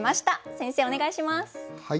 先生お願いします。